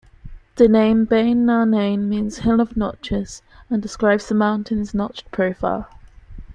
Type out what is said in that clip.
The name Beinn Narnain means "hill of notches", and describes the mountain's notched profile.